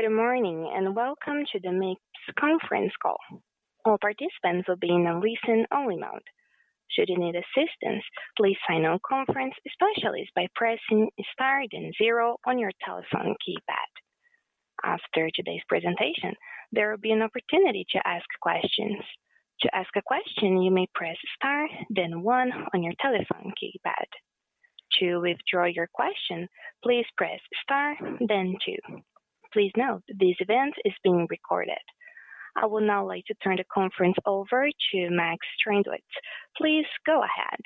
Good morning and welcome to the Mips Conference Call. All participants will be in a listen-only mode. Should you need assistance, please sign on conference specialist by pressing Star then zero on your telephone keypad. After today's presentation, there will be an opportunity to ask questions. To ask a question, you may press Star then one on your telephone keypad. To withdraw your question, please press Star then two. Please note this event is being recorded. I would now like to turn the conference over to Max Strandwitz. Please go ahead.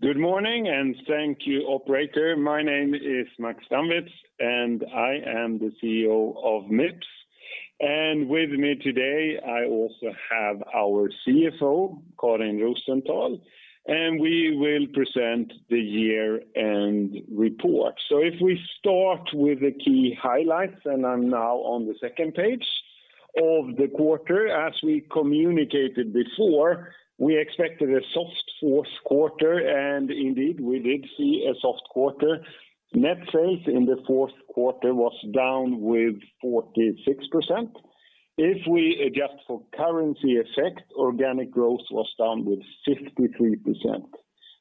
Good morning, and thank you, operator. My name is Max Strandwitz, I am the CEO of Mips. With me today, I also have our CFO, Karin Rosenthal, and we will present the year-end report. If we start with the key highlights, and I'm now on the second page of the quarter. As we communicated before, we expected a soft Q4, and indeed we did see a soft quarter. Net sales in the Q4 was down with 46%. If we adjust for currency effect, organic growth was down with 53%.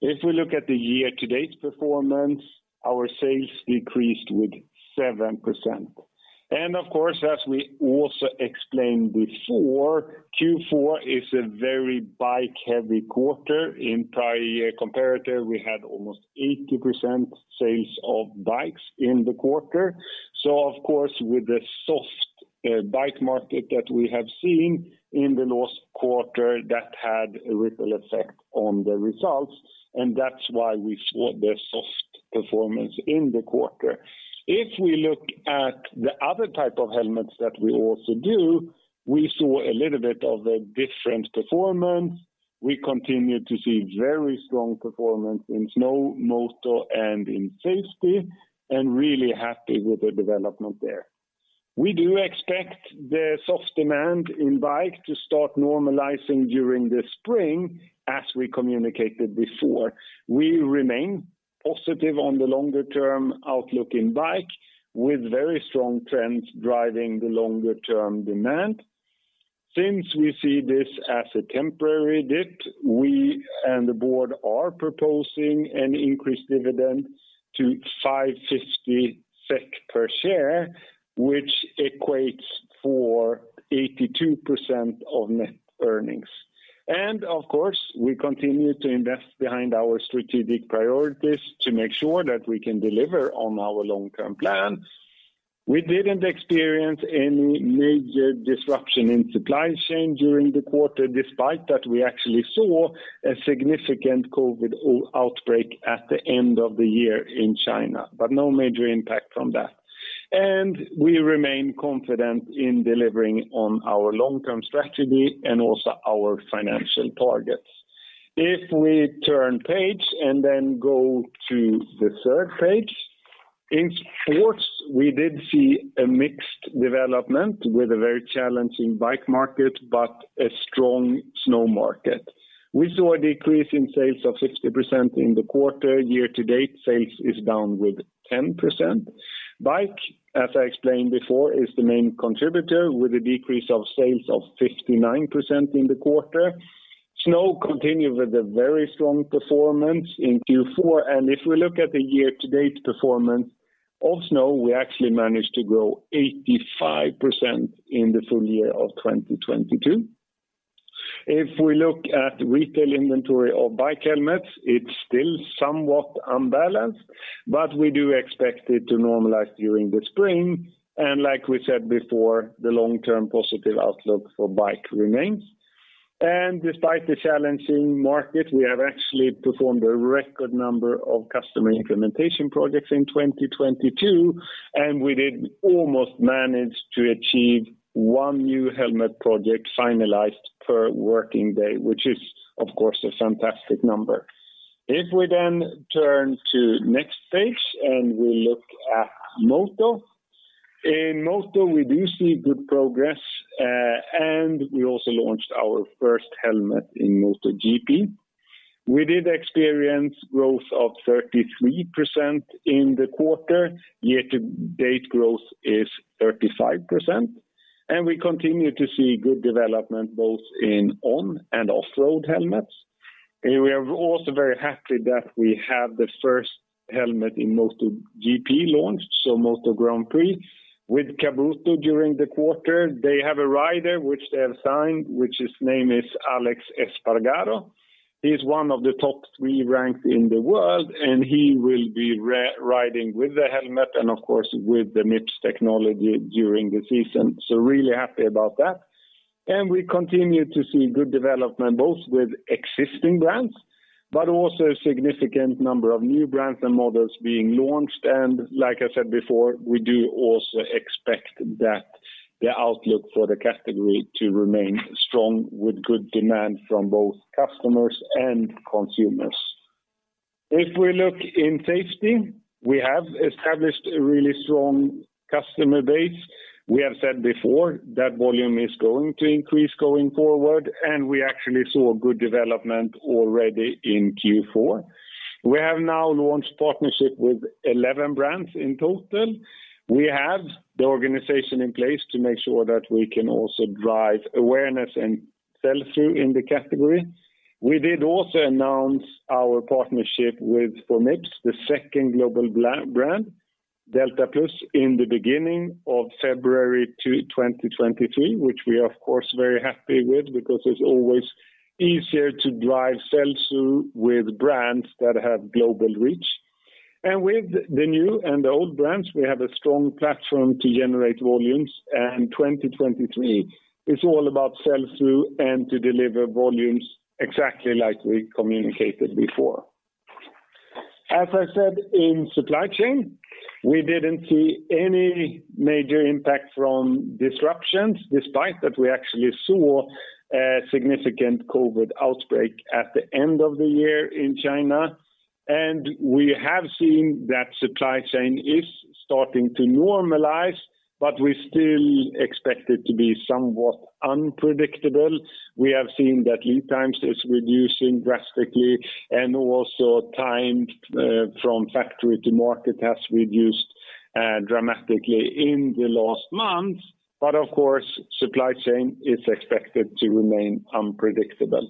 If we look at the year-to-date performance, our sales decreased with 7%. Of course, as we also explained before, Q4 is a very bike-heavy quarter. Entire year comparative, we had almost 80% sales of bikes in the quarter. Of course, with the soft bike market that we have seen in the last quarter that had a ripple effect on the results, and that's why we saw the soft performance in the quarter. If we look at the other type of helmets that we also do, we saw a little bit of a different performance. We continued to see very strong performance in snow, moto, and in safety, and really happy with the development there. We do expect the soft demand in bike to start normalizing during the spring, as we communicated before. We remain positive on the longer-term outlook in bike, with very strong trends driving the longer-term demand. Since we see this as a temporary dip, we and the board are proposing an increased dividend to 5.50 SEK per share, which equates for 82% of net earnings. Of course, we continue to invest behind our strategic priorities to make sure that we can deliver on our long-term plan. We didn't experience any major disruption in supply chain during the quarter, despite that we actually saw a significant COVID outbreak at the end of the year in China, but no major impact from that. We remain confident in delivering on our long-term strategy and also our financial targets. If we turn page and then go to the third page. In sports, we did see a mixed development with a very challenging bike market, but a strong snow market. We saw a decrease in sales of 50% in the quarter. Year to date, sales is down with 10%. Bike, as I explained before, is the main contributor with a decrease of sales of 59% in the quarter. Snow continued with a very strong performance in Q4. If we look at the year to date performance of snow, we actually managed to grow 85% in the full year of 2022. If we look at retail inventory of bike helmets, it's still somewhat unbalanced, but we do expect it to normalize during the spring. Like we said before, the long-term positive outlook for bike remains. Despite the challenging market, we have actually performed a record number of customer implementation projects in 2022, and we did almost manage to achieve one new helmet project finalized per working day, which is of course a fantastic number. If we turn to next page and we look at Moto. In Moto, we do see good progress, and we also launched our first helmet in MotoGP. We did experience growth of 33% in the quarter. Year to date growth is 35%. We continue to see good development both in on and off-road helmets. We are also very happy that we have the first helmet in MotoGP launched, so Moto Grand Prix. With Kabuto during the quarter, they have a rider which they have signed, which his name is Aleix Espargaró. He's one of the top three ranked in the world, and he will be riding with the helmet and of course, with the Mips technology during the season. Really happy about that. We continue to see good development both with existing brands, but also a significant number of new brands and models being launched. Like I said before, we do also expect that the outlook for the category to remain strong with good demand from both customers and consumers. If we look in safety, we have established a really strong customer base. We have said before that volume is going to increase going forward, and we actually saw a good development already in Q4. We have now launched partnership with 11 brands in total. We have the organization in place to make sure that we can also drive awareness and sell-through in the category. We did also announce our partnership with, for Mips, the second global brand, Delta Plus, in the beginning of February 2023, which we are of course very happy with because it's always easier to drive sell-through with brands that have global reach. With the new and the old brands, we have a strong platform to generate volumes. 2023 is all about sell-through and to deliver volumes exactly like we communicated before. As I said in supply chain, we didn't see any major impact from disruptions despite that we actually saw a significant COVID outbreak at the end of the year in China. We have seen that supply chain is starting to normalize, but we still expect it to be somewhat unpredictable. We have seen that lead times is reducing drastically and also time from factory to market has reduced dramatically in the last month. Of course, supply chain is expected to remain unpredictable.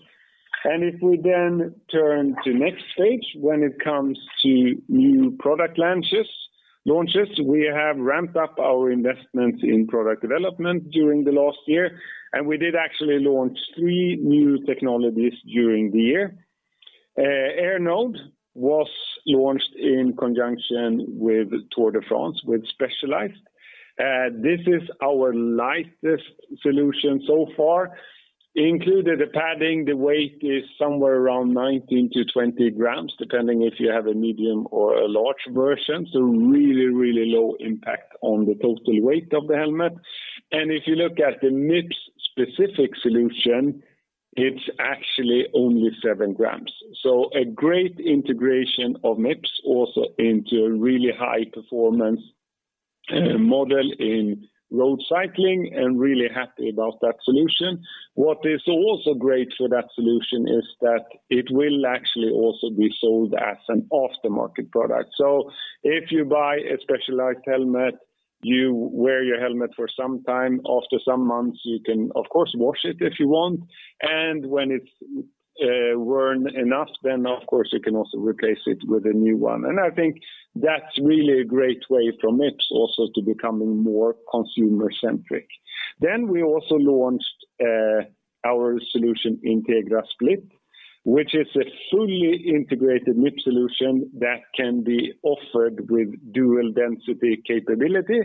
If we then turn to next page, when it comes to new product launches, we have ramped up our investments in product development during the last year, and we did actually launch three new technologies during the year. Air Node was launched in conjunction with Tour de France with Specialized. This is our lightest solution so far. Included the padding, the weight is somewhere around 19-20 grams, depending if you have a medium or a large version. Really, really low impact on the total weight of the helmet. If you look at the Mips specific solution, it's actually only 7 grams. A great integration of Mips also into a really high performance model in road cycling and really happy about that solution. What is also great for that solution is that it will actually also be sold as an aftermarket product. If you buy a Specialized helmet, you wear your helmet for some time. After some months, you can of course wash it if you want. When it's worn enough, then of course you can also replace it with a new one. I think that's really a great way for Mips also to becoming more consumer-centric. We also launched our solution, Integra Split, which is a fully integrated Mips solution that can be offered with dual density capability.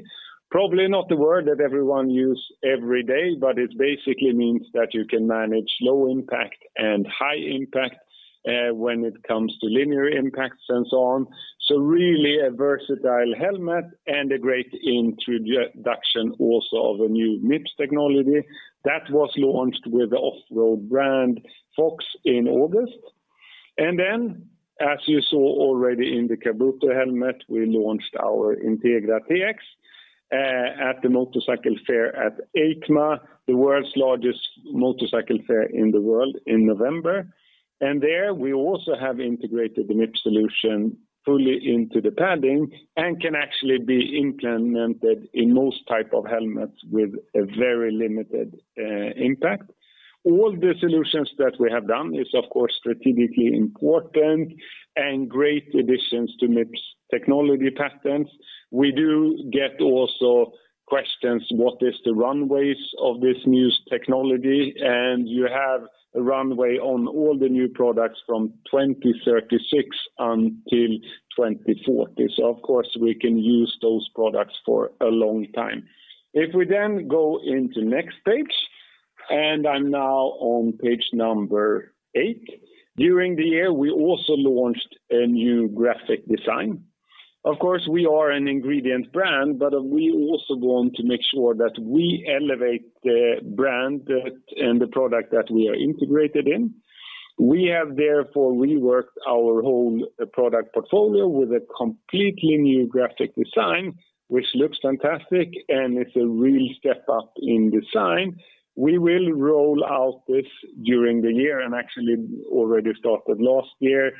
Probably not the word that everyone use every day, but it basically means that you can manage low impact and high impact when it comes to linear impacts and so on. Really a versatile helmet and a great introduction also of a new Mips technology that was launched with the off-road brand, Fox, in August. As you saw already in the Kabuto helmet, we launched our Integra TX at the motorcycle fair at EICMA, the world's largest motorcycle fair in the world in November. There we also have integrated the Mips solution fully into the padding and can actually be implemented in most type of helmets with a very limited impact. All the solutions that we have done is of course, strategically important and great additions to Mips technology patents. We do get also questions, what is the runways of this new technology? You have a runway on all the new products from 2036 until 2040. Of course we can use those products for a long time. If we then go into next page, and I'm now on page number eight. During the year, we also launched a new graphic design. Of course, we are an ingredient brand, but we also want to make sure that we elevate the brand that and the product that we are integrated in. We have therefore reworked our whole product portfolio with a completely new graphic design, which looks fantastic and it's a real step up in design. We will roll out this during the year and actually already started last year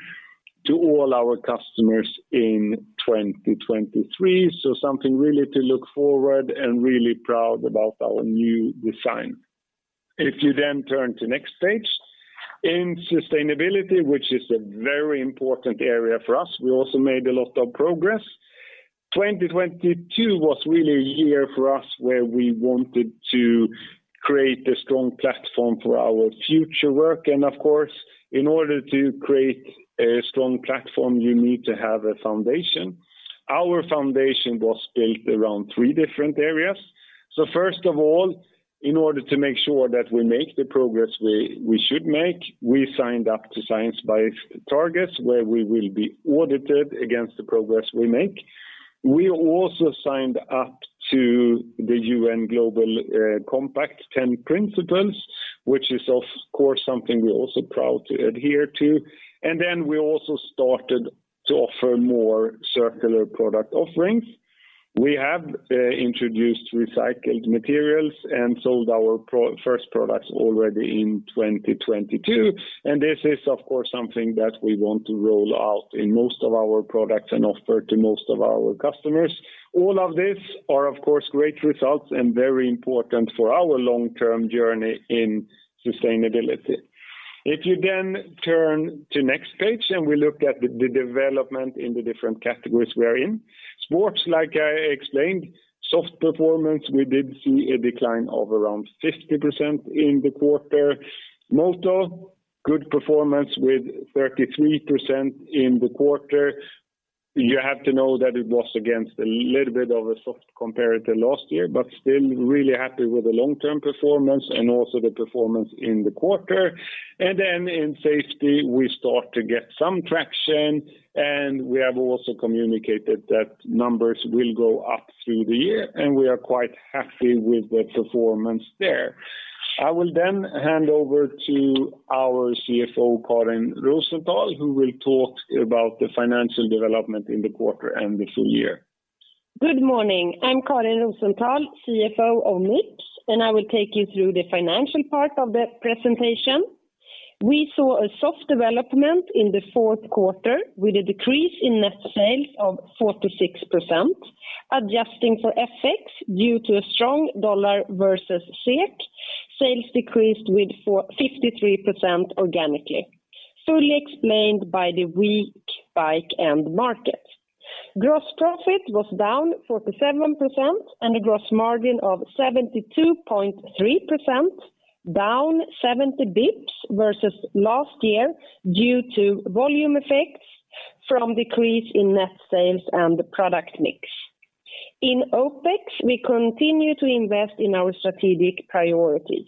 to all our customers in 2023. Something really to look forward and really proud about our new design. If you turn to next page. In sustainability, which is a very important area for us, we also made a lot of progress. 2022 was really a year for us where we wanted to create a strong platform for our future work. In order to create a strong platform, you need to have a foundation. Our foundation was built around three different areas. First of all, in order to make sure that we make the progress we should make, we signed up to Science Based Targets where we will be audited against the progress we make. We also signed up to the UN Global Compact 10 principles. Which is of course something we're also proud to adhere to. Then we also started to offer more circular product offerings. We have introduced recycled materials and sold our first products already in 2022. This is of course something that we want to roll out in most of our products and offer to most of our customers. All of these are of course great results and very important for our long-term journey in sustainability. If you then turn to next page, and we look at the development in the different categories we're in. Sports like I explained, soft performance, we did see a decline of around 50% in the quarter. Moto, good performance with 33% in the quarter. You have to know that it was against a little bit of a soft comparator last year, but still really happy with the long-term performance and also the performance in the quarter. In safety we start to get some traction, and we have also communicated that numbers will go up through the year, and we are quite happy with the performance there. I will hand over to our CFO, Karin Rosenthal, who will talk about the financial development in the quarter and the full year. Good morning, I'm Karin Rosenthal, CFO of Mips. I will take you through the financial part of the presentation. We saw a soft development in the Q4 with a decrease in net sales of 46%. Adjusting for FX due to a strong US dollar versus SEK, sales decreased with 53% organically, fully explained by the weak bike end market. Gross profit was down 47% and a gross margin of 72.3%, down 70 BPS versus last year due to volume effects from decrease in net sales and the product mix. In OpEx, we continue to invest in our strategic priorities.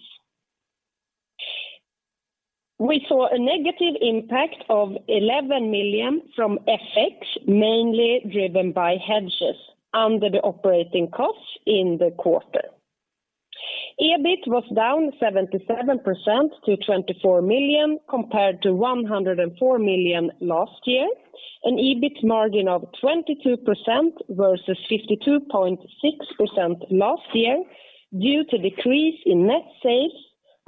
We saw a negative impact of 11 million from FX, mainly driven by hedges under the operating costs in the quarter. EBIT was down 77% to 24 million compared to 104 million last year, an EBIT margin of 22% versus 52.6% last year due to decrease in net sales,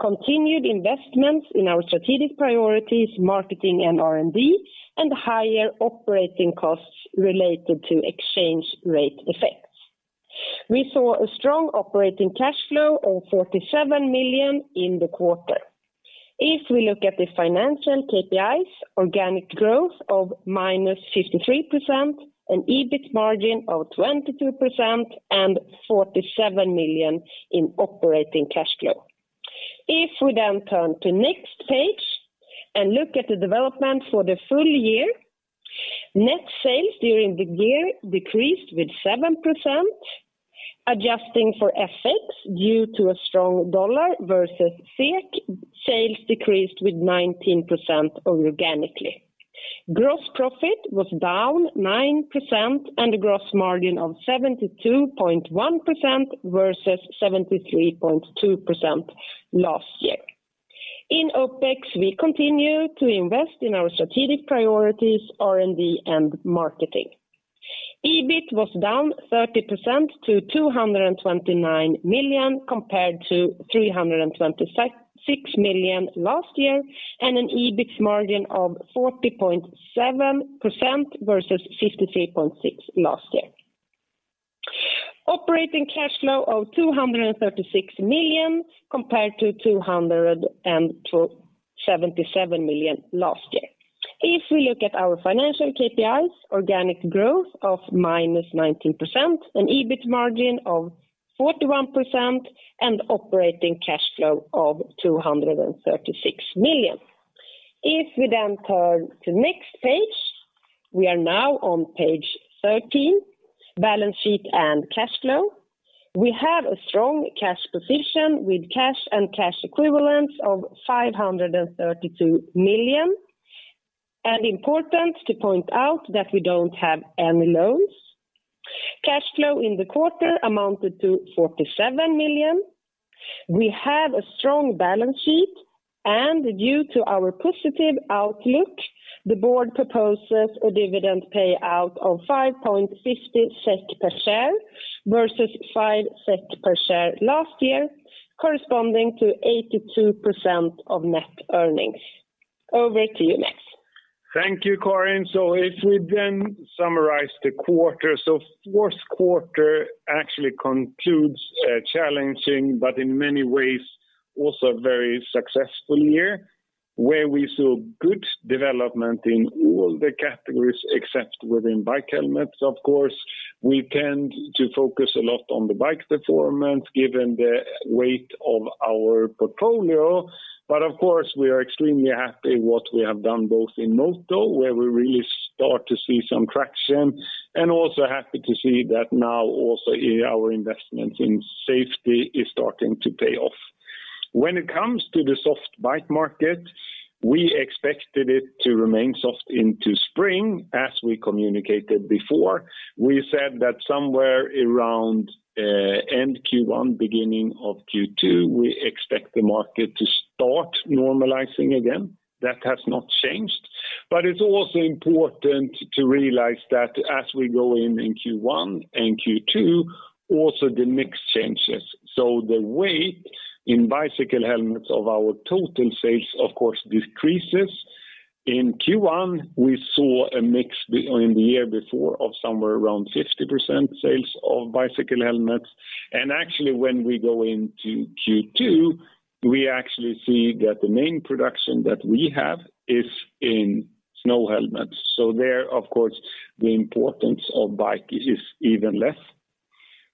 continued investments in our strategic priorities, marketing and R&D, and higher operating costs related to exchange rate effects. We saw a strong operating cash flow of 47 million in the quarter. We look at the financial KPIs, organic growth of -53%, an EBIT margin of 22% and 47 million in operating cash flow. We turn to next page and look at the development for the full year. Net sales during the year decreased with 7%. Adjusting for FX due to a strong US dollar versus SEK, sales decreased with 19% organically. Gross profit was down 9%, a gross margin of 72.1% versus 73.2% last year. In OpEx, we continue to invest in our strategic priorities, R&D and marketing. EBIT was down 30% to 229 million compared to 326 million last year, an EBIT margin of 40.7% versus 53.6% last year. Operating cash flow of 236 million compared to 277 million last year. If we look at our financial KPIs, organic growth of -19%, an EBIT margin of 41% and operating cash flow of 236 million. We then turn to next page, we are now on page 13, balance sheet and cash flow. We have a strong cash position with cash and cash equivalents of 532 million. Important to point out that we don't have any loans. Cash flow in the quarter amounted to 47 million. We have a strong balance sheet and due to our positive outlook, the board proposes a dividend payout of 5.50 SEK per share versus 5 SEK per share last year, corresponding to 82% of net earnings. Over to you, Max. Thank you, Karin. If we summarize the quarter. Q4 actually concludes a challenging but in many ways also a very successful year, where we saw good development in all the categories except within bike helmets of course. We tend to focus a lot on the bike performance given the weight of our portfolio. Of course we are extremely happy what we have done both in Moto, where we really start to see some traction and also happy to see that now also in our investment in safety is starting to pay off. When it comes to the soft bike market. We expected it to remain soft into spring. As we communicated before, we said that somewhere around end Q1, beginning of Q2, we expect the market to start normalizing again. That has not changed. It's also important to realize that as we go in Q1 and Q2, also the mix changes. The weight in bicycle helmets of our total sales, of course, decreases. In Q1, we saw a mix in the year before of somewhere around 50% sales of bicycle helmets. Actually, when we go into Q2, we actually see that the main production that we have is in snow helmets. There, of course, the importance of bike is even less.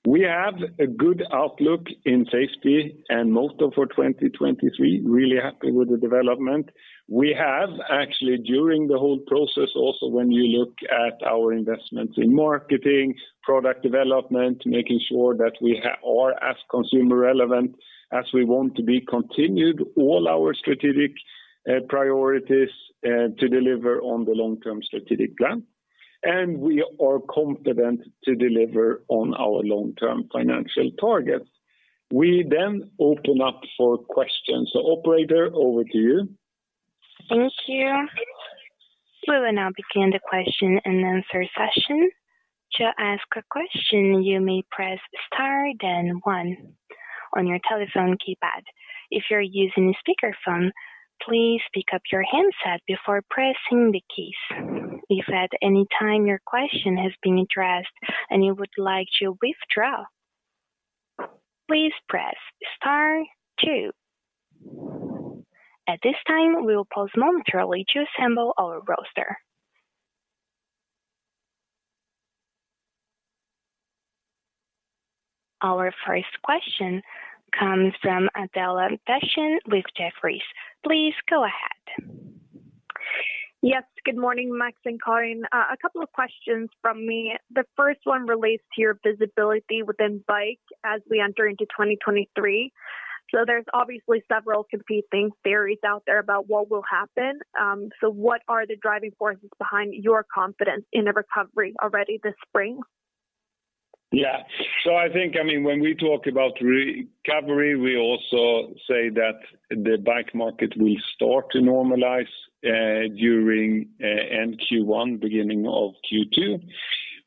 We have a good outlook in safety and most of our 2023 really happy with the development. We have actually during the whole process also when you look at our investments in marketing, product development, making sure that we are as consumer relevant as we want to be continued all our strategic priorities to deliver on the long-term strategic plan. We are confident to deliver on our long-term financial targets. We then open up for questions. Operator, over to you. Thank you. We will now begin the question and answer session. To ask a question, you may press Star then one on your telephone keypad. If you're using a speaker phone, please pick up your handset before pressing the keys. If at any time your question has been addressed and you would like to withdraw, please press Star two. At this time, we will pause momentarily to assemble our roster. Our first question comes from Adela Dashian with Jefferies. Please go ahead. Yes, good morning, Max and Karin. A couple of questions from me. The first one relates to your visibility within bike as we enter into 2023. There's obviously several competing theories out there about what will happen. What are the driving forces behind your confidence in a recovery already this spring? I think, when we talk about recovery, we also say that the bike market will start to normalize during end Q1, beginning of Q2.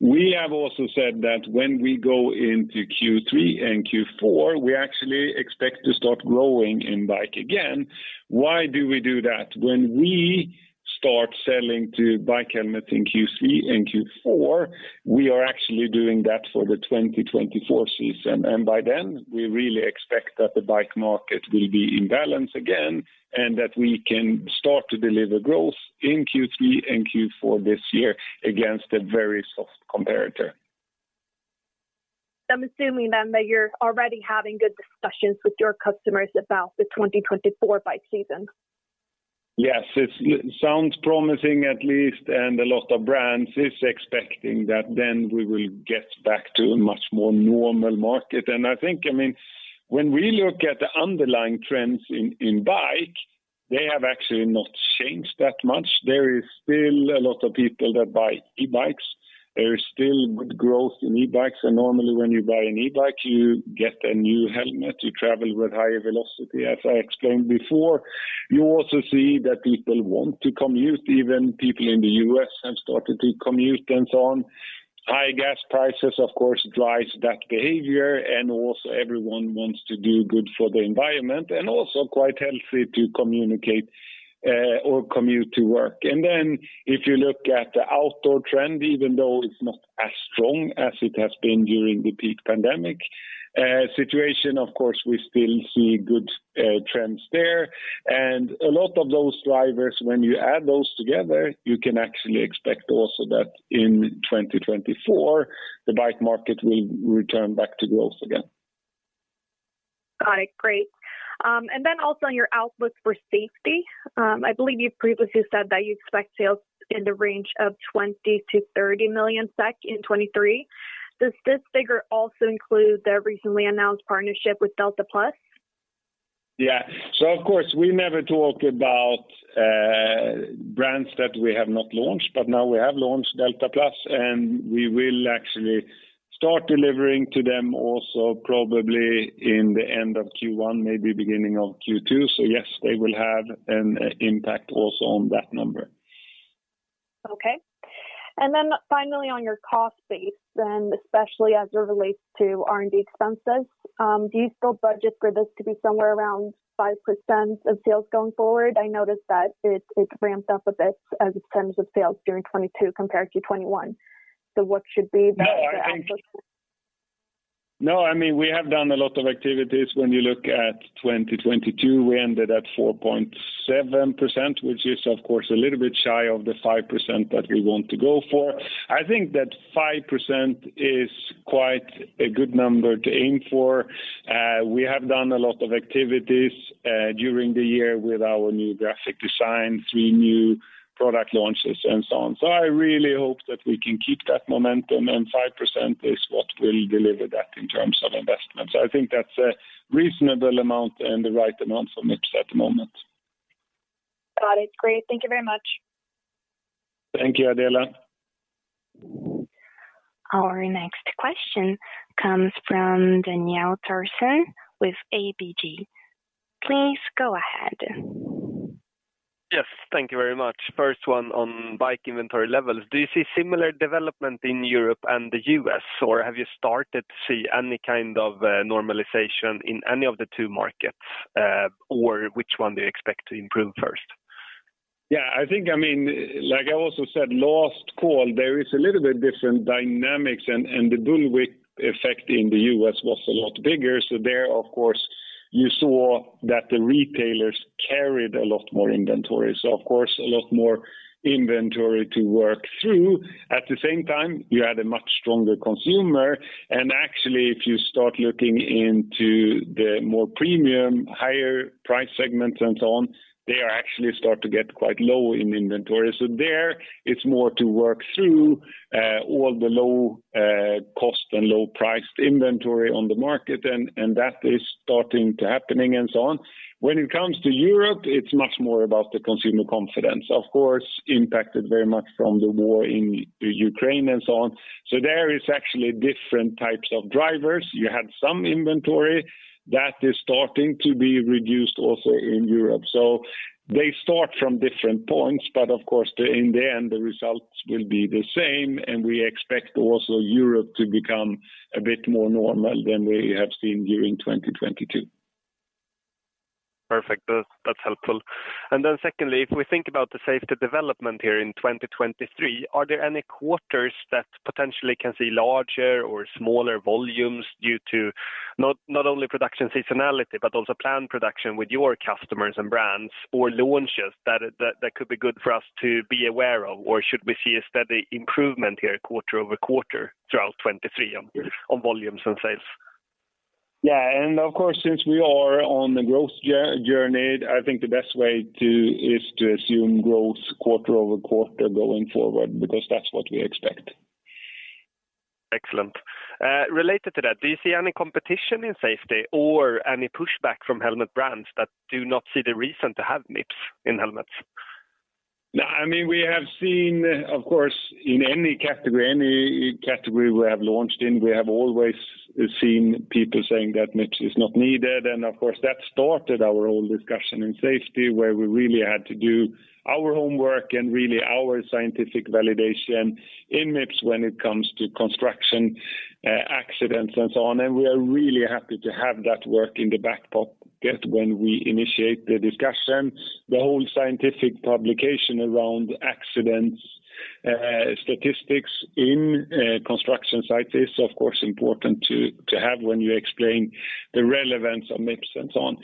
We have also said that when we go into Q3 and Q4, we actually expect to start growing in bike again. Why do we do that? When we start selling to bike helmets in Q3 and Q4, we are actually doing that for the 2024 season. By then, we really expect that the bike market will be in balance again, and that we can start to deliver growth in Q3 and Q4 this year against a very soft comparator. I'm assuming then that you're already having good discussions with your customers about the 2024 bike season. Yes. It sounds promising at least, a lot of brands is expecting that then we will get back to a much more normal market. I think, I mean, when we look at the underlying trends in bike, they have actually not changed that much. There is still a lot of people that buy e-bikes. There is still good growth in e-bikes. Normally, when you buy an e-bike, you get a new helmet, you travel with higher velocity. As I explained before, you also see that people want to commute, even people in the U.S. have started to commute and so on. High gas prices, of course, drives that behavior, and also everyone wants to do good for the environment, and also quite healthy to communicate or commute to work. If you look at the outdoor trend, even though it's not as strong as it has been during the peak pandemic, situation, of course, we still see good, trends there. A lot of those drivers, when you add those together, you can actually expect also that in 2024, the bike market will return back to growth again. Got it. Great. Then also on your outlook for safety, I believe you previously said that you expect sales in the range of 20 million-30 million SEK in 2023. Does this figure also include the recently announced partnership with Delta Plus? Yeah. Of course, we never talk about brands that we have not launched, but now we have launched Delta Plus, and we will actually start delivering to them also probably in the end of Q1, maybe beginning of Q2. Yes, they will have an impact also on that number. Okay. Finally on your cost base, and especially as it relates to R&D expenses, do you still budget for this to be somewhere around 5% of sales going forward? I noticed that it ramped up a bit as a % of sales during 2022 compared to 2021. What should we expect- I mean, we have done a lot of activities. When you look at 2022, we ended at 4.7%, which is of course a little bit shy of the 5% that we want to go for. I think that 5% is quite a good number to aim for. We have done a lot of activities during the year with our new graphic design, 3 new product launches and so on. I really hope that we can keep that momentum, and 5% is what will deliver that in terms of investments. I think that's a reasonable amount and the right amount for Mips at the moment. Got it. Great. Thank you very much. Thank you, Adela. Our next question comes from Daniel Thorsson with ABG. Please go ahead. Yes, thank you very much. First one on bike inventory levels. Do you see similar development in Europe and the US, or have you started to see any kind of normalization in any of the two markets, or which one do you expect to improve first? Yeah, I think, I mean, like I also said last call, there is a little bit different dynamics and the bullwhip effect in the U.S. was a lot bigger. There, of course, you saw that the retailers carried a lot more inventory, so of course a lot more inventory to work through. At the same time, you had a much stronger consumer, and actually if you start looking into the more premium, higher price segments and so on, they are actually start to get quite low in inventory. There it's more to work through all the low cost and low priced inventory on the market and that is starting to happening and so on. When it comes to Europe, it's much more about the consumer confidence. Of course, impacted very much from the war in Ukraine and so on. There is actually different types of drivers. You had some inventory that is starting to be reduced also in Europe. They start from different points, but of course, in the end, the results will be the same, and we expect also Europe to become a bit more normal than we have seen during 2022. Perfect. That's helpful. Secondly, if we think about the safety development here in 2023, are there any quarters that potentially can see larger or smaller volumes due to not only production seasonality, but also planned production with your customers and brands or launches that could be good for us to be aware of? Or should we see a steady improvement here quarter-over-quarter throughout 2023 on volumes and sales? Yeah. Of course, since we are on the growth journey, I think the best way is to assume growth quarter-over-quarter going forward because that's what we expect. Excellent. Related to that, do you see any competition in safety or any pushback from helmet brands that do not see the reason to have Mips in helmets? No. I mean, we have seen, of course, in any category, any category we have launched in, we have always seen people saying that Mips is not needed. Of course, that started our own discussion in safety, where we really had to do our homework and really our scientific validation in Mips when it comes to construction, accidents and so on. We are really happy to have that work in the back pocket when we initiate the discussion. The whole scientific publication around accidents, statistics in construction sites is of course important to have when you explain the relevance of Mips and so on.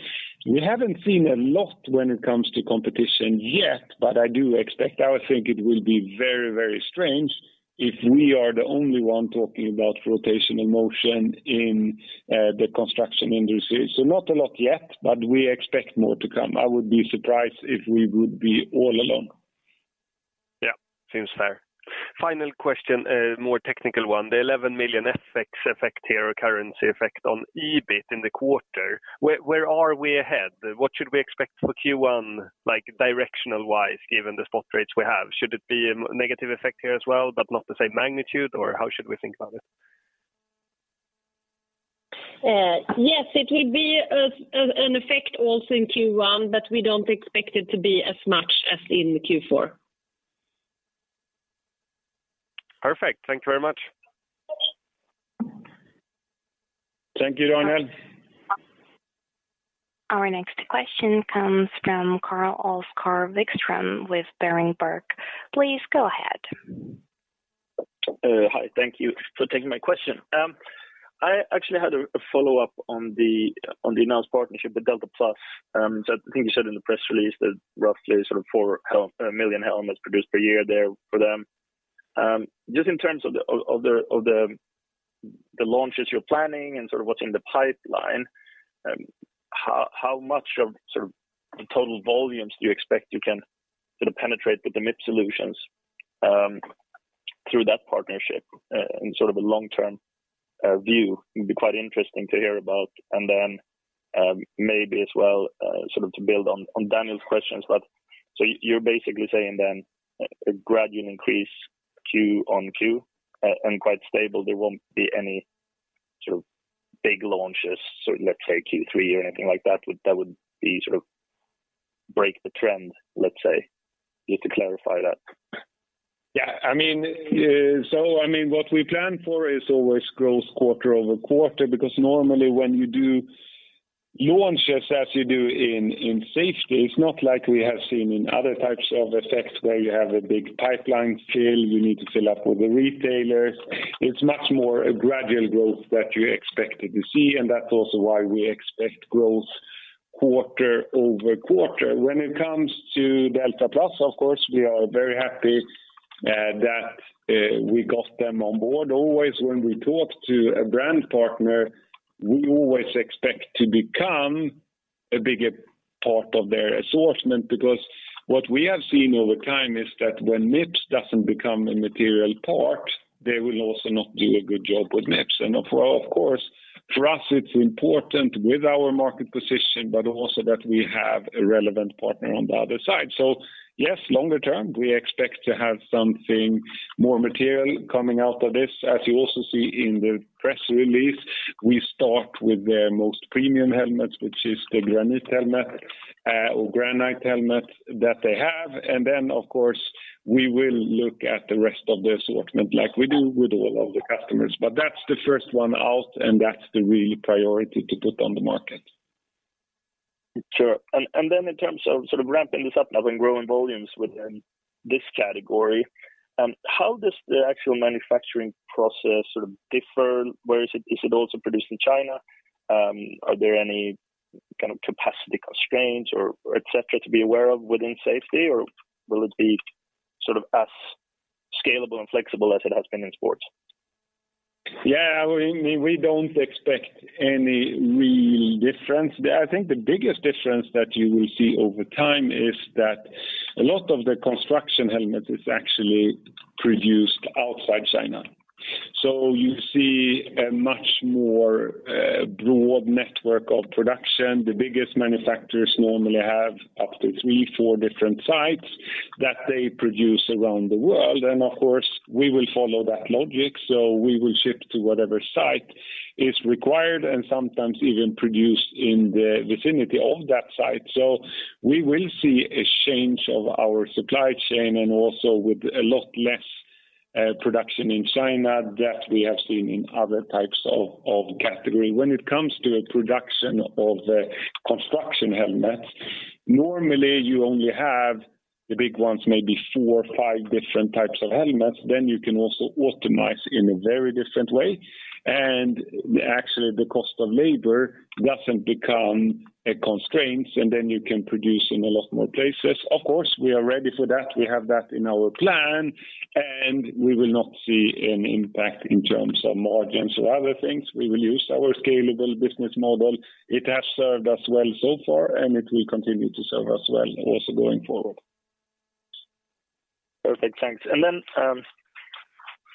We haven't seen a lot when it comes to competition yet, but I do expect. I would think it will be very, very strange if we are the only one talking about rotational motion in the construction industry. Not a lot yet, but we expect more to come. I would be surprised if we would be all alone. Seems fair. Final question, a more technical one. The 11 million FX effect here or currency effect on EBIT in the quarter, where are we ahead? What should we expect for Q1, like directional-wise, given the spot rates we have? Should it be a negative effect here as well, but not the same magnitude? Or how should we think about it? Yes, it will be an effect also in Q1, but we don't expect it to be as much as in Q4. Perfect. Thank you very much. Thank you, Daniel. Our next question comes from Karl-Oskar Vikström with Berenberg. Please go ahead. Hi. Thank you for taking my question. I actually had a follow-up on the announced partnership with Delta Plus. I think you said in the press release that roughly 4 million helmets produced per year there for them. Just in terms of the launches you're planning and sort of what's in the pipeline, how much of sort of the total volumes do you expect you can sort of penetrate with the Mips solutions through that partnership in sort of a long-term view? It'd be quite interesting to hear about. Maybe as well, sort of to build on Daniel's questions. You're basically saying a gradual increase quarter-on-quarter and quite stable. There won't be any sort of big launches, sort of let's say Q3 or anything like that. That would be sort of break the trend, let's say. Just to clarify that. Yeah. I mean, I mean, what we plan for is always growth quarter-over-quarter, because normally when you do launches as you do in safety, it's not like we have seen in other types of effects where you have a big pipeline fill, you need to fill up with the retailers. It's much more a gradual growth that you're expected to see, and that's also why we expect growth quarter-over-quarter. When it comes to Delta Plus, of course, we are very happy that we got them on board. Always, when we talk to a brand partner, we always expect to become a bigger part of their assortment. Because what we have seen over time is that when Mips doesn't become a material part, they will also not do a good job with Mips. For us it's important with our market position, but also that we have a relevant partner on the other side. Yes, longer-term, we expect to have something more material coming out of this. As you also see in the press release, we start with the most premium helmets, which is the Granit helmet that they have. Of course, we will look at the rest of the assortment like we do with all of the customers. That's the first one out, and that's the real priority to put on the market. Sure. Then in terms of sort of ramping this up now and growing volumes within this category, how does the actual manufacturing process sort of differ? Is it also produced in China? Are there any kind of capacity constraints or etcetera, to be aware of within safety? Or will it be sort of as scalable and flexible as it has been in sports? We don't expect any real difference. I think the biggest difference that you will see over time is that a lot of the construction helmet is actually produced outside China. You see a much more broad network of production. The biggest manufacturers normally have up to three, four different sites that they produce around the world. Of course, we will follow that logic. We will ship to whatever site is required and sometimes even produced in the vicinity of that site. We will see a change of our supply chain and also with a lot less production in China that we have seen in other types of category. When it comes to a production of the construction helmets, normally you only have the big ones, maybe four or five different types of helmets. You can also optimize in a very different way. Actually, the cost of labor doesn't become a constraint, and then you can produce in a lot more places. Of course, we are ready for that. We have that in our plan, and we will not see an impact in terms of margins or other things. We will use our scalable business model. It has served us well so far, and it will continue to serve us well also going forward. Perfect. Thanks.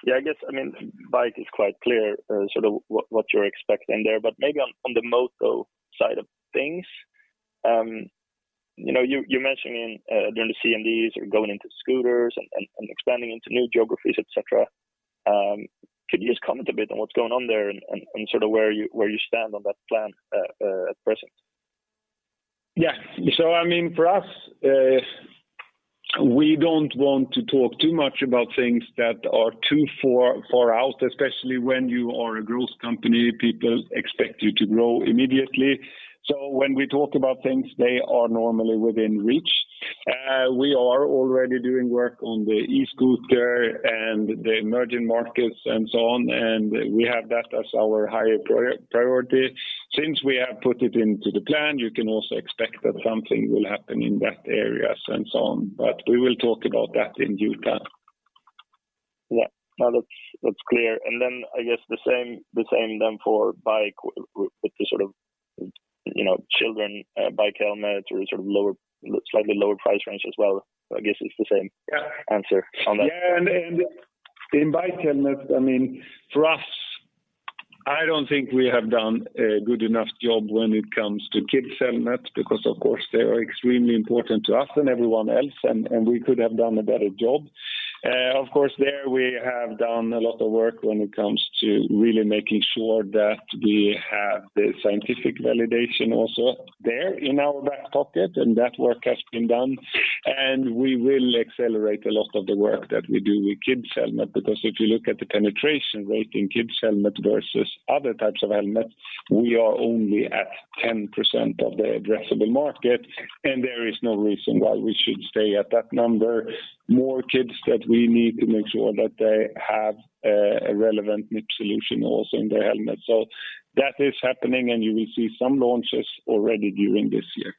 Yeah, I guess, I mean, bike is quite clear, sort of what you're expecting there. Maybe on the Moto side of things, you know, you're mentioning, during the CNDs, you're going into scooters and expanding into new geographies, etc. Could you just comment a bit on what's going on there and sort of where you stand on that plan at present? Yeah. I mean, for us, we don't want to talk too much about things that are too far, far out, especially when you are a growth company, people expect you to grow immediately. When we talk about things, they are normally within reach. We are already doing work on the e-scooter and the emerging markets and so on, and we have that as our higher priority. Since we have put it into the plan, you can also expect that something will happen in that areas and so on. We will talk about that in due time. Yeah. No, that's clear. I guess the same then for bike with the sort of, you know, children, bike helmet or sort of slightly lower price range as well. I guess it's the same. Yeah. answer on that. Yeah. And in bike helmet, I mean, for us, I don't think we have done a good enough job when it comes to kids helmets because of course, they are extremely important to us and everyone else and we could have done a better job. Of course, there we have done a lot of work when it comes to really making sure that we have the scientific validation also there in our back pocket, and that work has been done. We will accelerate a lot of the work that we do with kids helmet, because if you look at the penetration rate in kids helmet versus other types of helmets, we are only at 10% of the addressable market, and there is no reason why we should stay at that number. More kids that we need to make sure that they have a relevant Mips solution also in their helmet. That is happening and you will see some launches already during this year.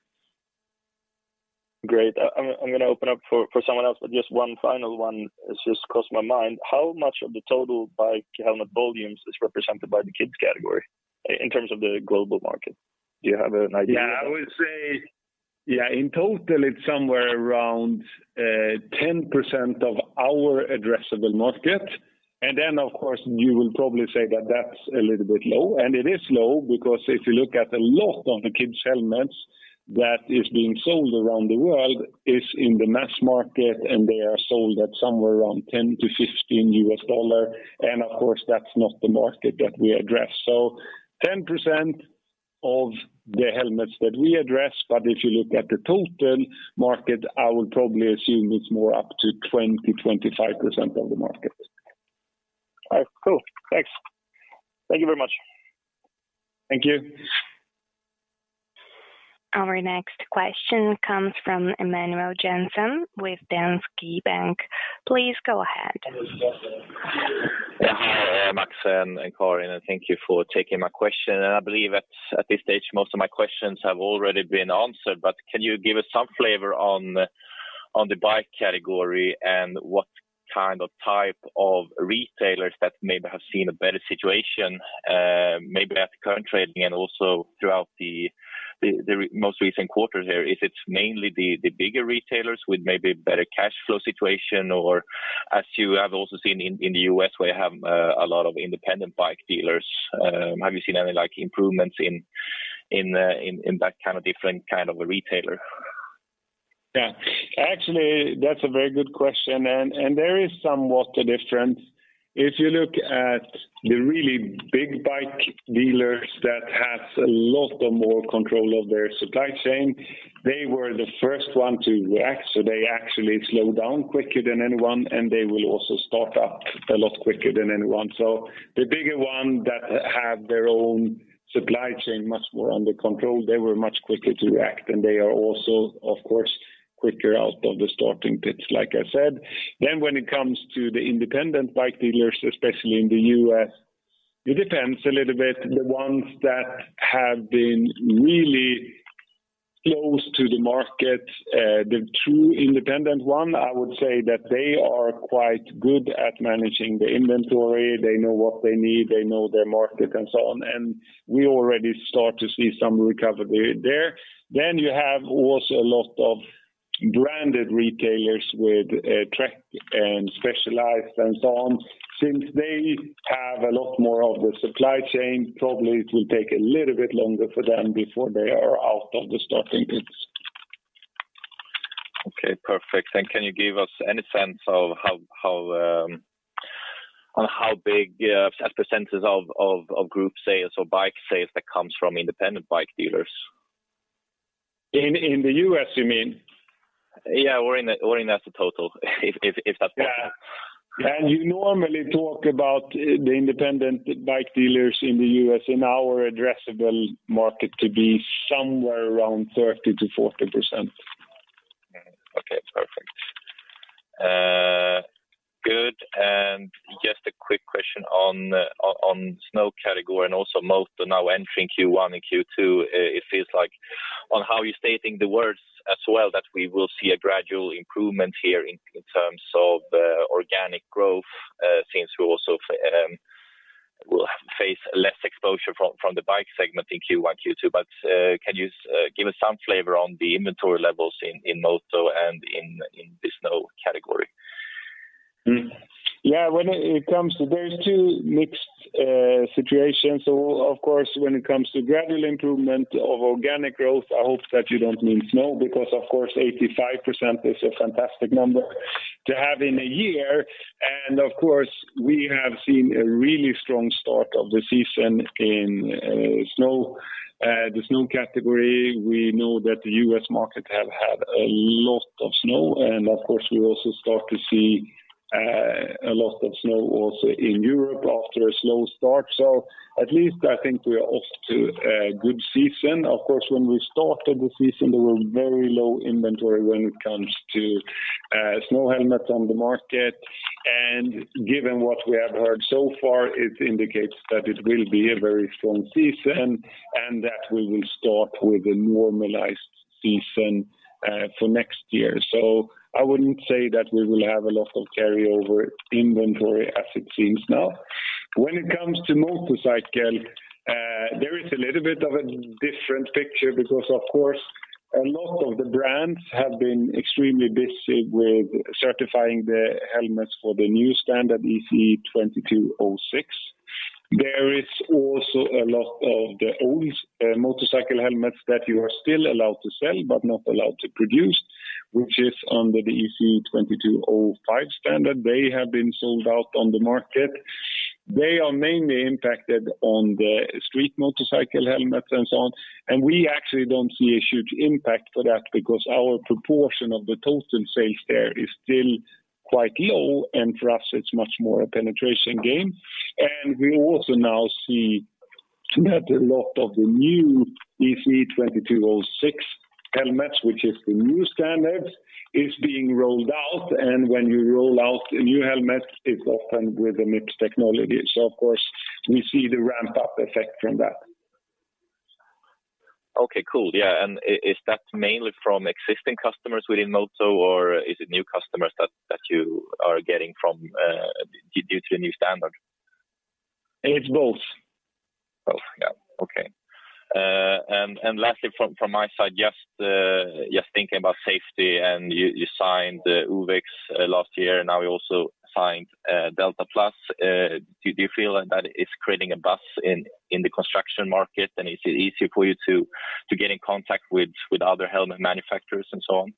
Great. I'm gonna open up for someone else, but just one final one. It just crossed my mind. How much of the total bike helmet volumes is represented by the kids category in terms of the global market? Do you have an idea? Yeah. I would say in total, it's somewhere around 10% of our addressable market. Then, of course, you will probably say that that's a little bit low. It is low because if you look at a lot of the kids helmets that is being sold around the world is in the mass market, and they are sold at somewhere around $10-$15. Of course, that's not the market that we address. 10% of the helmets that we address, but if you look at the total market, I would probably assume it's more up to 20%-25% of the market. All right, cool. Thanks. Thank you very much. Thank you. Our next question comes from Emanuel Jansson with Danske Bank. Please go ahead. Hi, Max and Karin, thank you for taking my question. I believe at this stage, most of my questions have already been answered. Can you give us some flavor on the bike category and what kind of type of retailers that maybe have seen a better situation, maybe at the current trading and also throughout the most recent quarters here? If it's mainly the bigger retailers with maybe better cash flow situation, or as you have also seen in the US, we have a lot of independent bike dealers. Have you seen any, like, improvements in that kind of different kind of a retailer? Yeah. Actually, that's a very good question. There is somewhat a difference. If you look at the really big bike dealers that has a lot of more control of their supply chain, they were the first one to react, so they actually slowed down quicker than anyone, and they will also start up a lot quicker than anyone. The bigger one that have their own supply chain much more under control, they were much quicker to react, and they are also, of course, quicker out of the starting pits, like I said. When it comes to the independent bike dealers, especially in the US, it depends a little bit. The ones that have been really close to the market, the true independent one, I would say that they are quite good at managing the inventory. They know what they need, they know their market and so on. We already start to see some recovery there. You have also a lot of branded retailers with, Trek and Specialized and so on. Since they have a lot more of the supply chain, probably it will take a little bit longer for them before they are out of the starting pits. Okay. Perfect. Can you give us any sense of how, on how big, as % of group sales or bike sales that comes from independent bike dealers? In the U.S., you mean? Yeah, in as a total if that's possible. Yeah. You normally talk about the independent bike dealers in the US in our addressable market to be somewhere around 30%-40%. Okay. Perfect. Good. Just a quick question on snow category and also most are now entering Q1 and Q2. It feels like on how you're stating the words as well that we will see a gradual improvement here in terms of organic growth since we also will face less exposure from the bike segment in Q1, Q2. Can you give us some flavor on the inventory levels in Moto and in the snow category? Yeah. There's two mixed situations. Of course, when it comes to gradual improvement of organic growth, I hope that you don't mean snow, because of course 85% is a fantastic number to have in a year. Of course, we have seen a really strong start of the season in snow. The snow category, we know that the US market have had a lot of snow. Of course, we also start to see a lot of snow also in Europe after a slow start. At least I think we are off to a good season. Of course, when we started the season, there were very low inventory when it comes to snow helmets on the market. Given what we have heard so far, it indicates that it will be a very strong season and that we will start with a normalized season for next year. I wouldn't say that we will have a lot of carryover inventory as it seems now. When it comes to motorcycle, there is a little bit of a different picture because, of course, a lot of the brands have been extremely busy with certifying the helmets for the new standard ECE 22.06. There is also a lot of the old motorcycle helmets that you are still allowed to sell but not allowed to produce, which is under the ECE 22.05 standard. They have been sold out on the market. They are mainly impacted on the street motorcycle helmets and so on. We actually don't see a huge impact for that because our proportion of the total sales there is still quite low, and for us it's much more a penetration game. We also now see that a lot of the new ECE 22.06 helmets, which is the new standard, is being rolled out. When you roll out a new helmet, it's often with the Mips technology. Of course, we see the ramp-up effect from that. Okay. Cool. Yeah. Is that mainly from existing customers within Moto, or is it new customers that you are getting from, due to the new standard? It's both. Both. Yeah. Okay. Lastly from my side, just thinking about safety, and you signed the uvex last year, and now you also signed Delta Plus. Do you feel like that is creating a buzz in the construction market, and is it easier for you to get in contact with other helmet manufacturers and so on?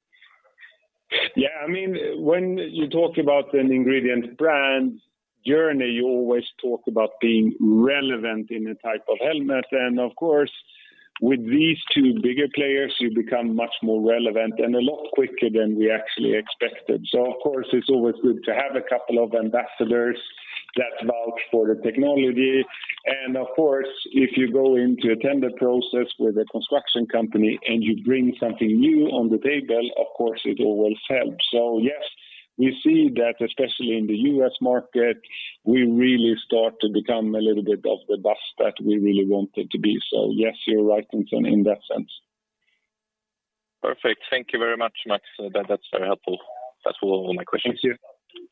Yeah. I mean, when you talk about an ingredient brand journey, you always talk about being relevant in a type of helmet. Of course, with these two bigger players, you become much more relevant and a lot quicker than we actually expected. Of course, it's always good to have a couple of ambassadors that vouch for the technology. Of course, if you go into a tender process with a construction company and you bring something new on the table, of course it always helps. Yes, we see that, especially in the U.S. market, we really start to become a little bit of the buzz that we really wanted to be. Yes, you're right in that sense. Perfect. Thank you very much, Max. That's very helpful. That's all of my questions. Thank you.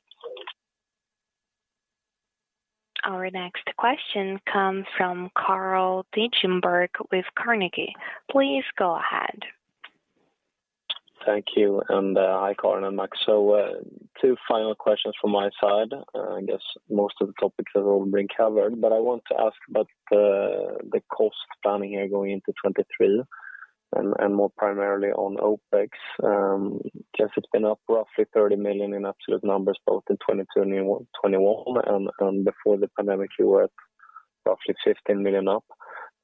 Our next question comes from Carl Deijenberg with Carnegie. Please go ahead. Thank you. Hi, Karin and Max. Two final questions from my side. I guess most of the topics have all been covered, but I want to ask about the cost planning here going into 2023. More primarily on OpEx, Jess it's been up roughly 30 million in absolute numbers, both in 2022 and 2021. Before the pandemic, you were roughly 15 million up.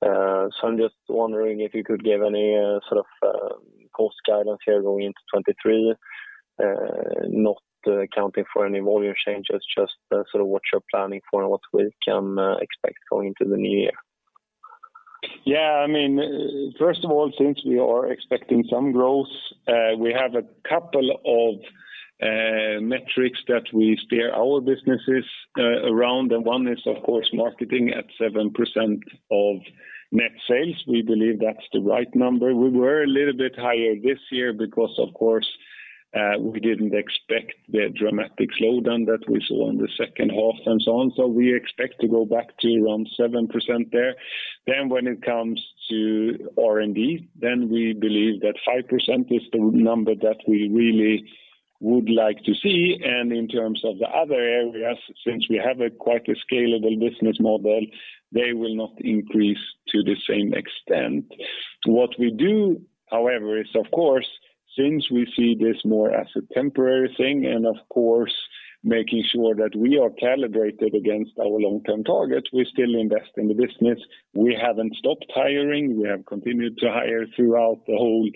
I'm just wondering if you could give any sort of post guidance here going into 2023, not accounting for any volume changes, just sort of what you're planning for and what we can expect going into the new year. Yeah, I mean, first of all, since we are expecting some growth, we have a couple of metrics that we steer our businesses around. One is, of course, marketing at 7% of net sales. We believe that's the right number. We were a little bit higher this year because, of course, we didn't expect the dramatic slowdown that we saw in the second half and so on. We expect to go back to around 7% there. When it comes to R&D, then we believe that 5% is the number that we really would like to see. In terms of the other areas, since we have a quite a scalable business model, they will not increase to the same extent. What we do, however, is of course, since we see this more as a temporary thing and of course, making sure that we are calibrated against our long-term target, we still invest in the business. We haven't stopped hiring. We have continued to hire throughout the whole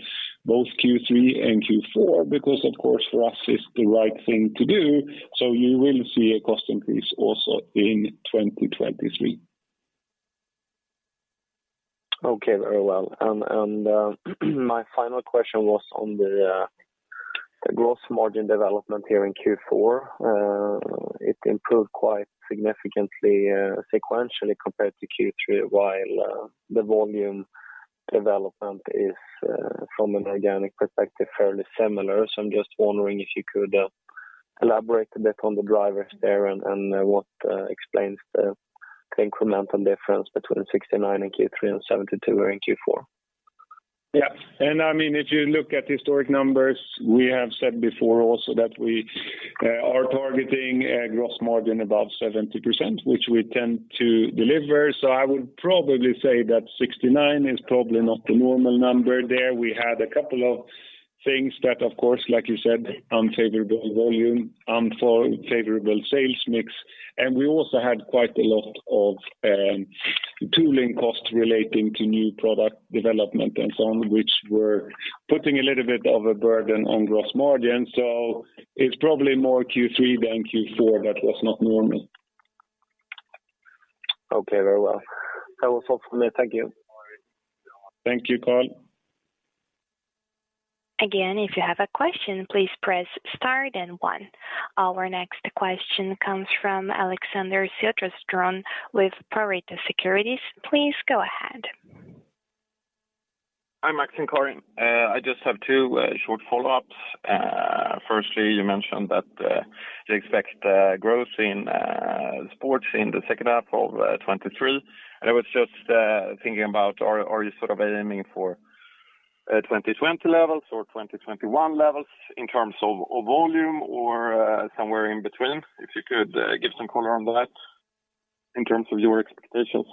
both Q3 and Q4 because of course for us is the right thing to do. You will see a cost increase also in 2023. Okay, very well. My final question was on the gross margin development here in Q4. It improved quite significantly sequentially compared to Q3, while the volume development is from an organic perspective, fairly similar. I'm just wondering if you could elaborate a bit on the drivers there and what explains the incremental difference between 69% in Q3 and 72% in Q4. Yeah. If you look at historic numbers, we have said before also that we are targeting a gross margin above 70%, which we tend to deliver. I would probably say that 69 is probably not the normal number there. We had a couple of things that of course like you said, unfavorable volume, unfavorable sales mix. We also had quite a lot of tooling costs relating to new product development and so on, which were putting a little bit of a burden on gross margin. It's probably more Q3 than Q4 that was not normal. Okay, very well. That was all from me. Thank you. Thank you, Carl. Again, if you have a question, please press Star then one. Our next question comes from Alexander Siljeström with Pareto Securities. Please go ahead. Hi, Max and Karin. I just have two short follow-ups. Firstly, you mentioned that you expect growth in sports in the second half of 2023. I was just thinking about are you sort of aiming for 2020 levels or 2021 levels in terms of volume or somewhere in between? If you could give some color on that in terms of your expectations.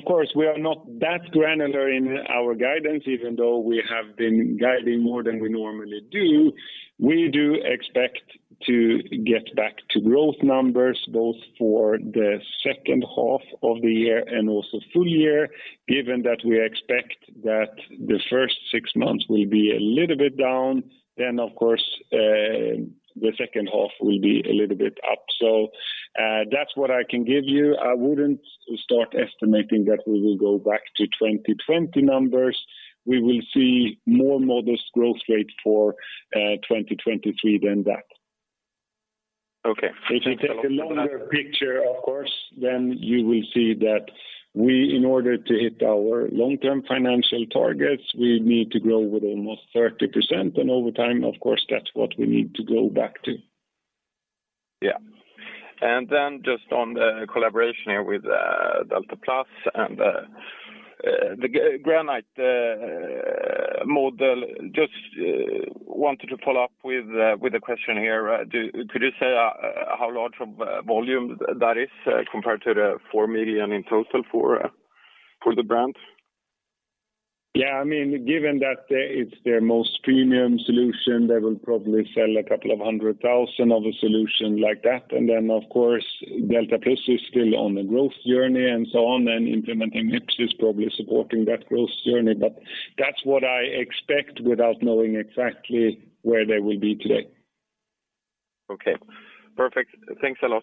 Of course, we are not that granular in our guidance even though we have been guiding more than we normally do. We do expect to get back to growth numbers both for the second half of the year and also full year, given that we expect that the first six months will be a little bit down then of course, the second half will be a little bit up. That's what I can give you. I wouldn't start estimating that we will go back to 2020 numbers. We will see more modest growth rate for 2023 than that. Okay. If you take a longer picture of course, then you will see that we in order to hit our long-term financial targets, we need to grow with almost 30%. Over time, of course, that's what we need to go back to. Just on the collaboration here with Delta Plus and the Granit model. Just wanted to follow up with a question here. Could you say how large of a volume that is compared to the 4 million in total for the brand? Yeah, I mean, given that it's their most premium solution, they will probably sell a couple of hundred thousand of a solution like that. Of course, Delta Plus is still on a growth journey and so on, and implementing Mips is probably supporting that growth journey. That's what I expect without knowing exactly where they will be today. Okay, perfect. Thanks a lot.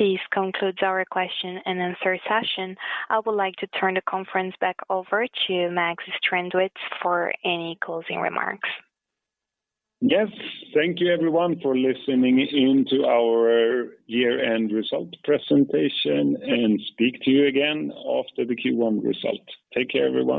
This concludes our question and answer session. I would like to turn the conference back over to Max Strandwitz for any closing remarks. Yes. Thank you everyone for listening in to our year-end result presentation and speak to you again after the Q1 result. Take care everyone.